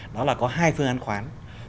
đó là có hai phương án khoán